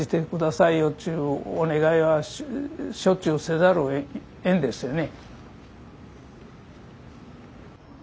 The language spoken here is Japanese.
っちゅうお願いはしょっちゅうせざるをえんですよね。